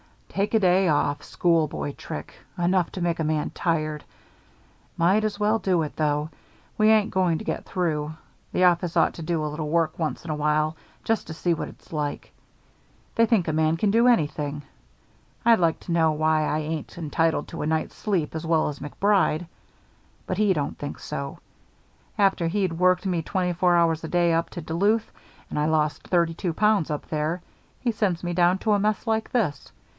"Take a day off schoolboy trick enough to make a man tired. Might as well do it, though. We ain't going to get through. The office ought to do a little work once in a while just to see what it's like. They think a man can do anything. I'd like to know why I ain't entitled to a night's sleep as well as MacBride. But he don't think so. After he'd worked me twenty four hours a day up to Duluth, and I lost thirty two pounds up there, he sends me down to a mess like this.